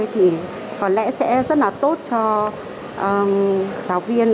thì có lẽ sẽ rất là tốt cho giáo viên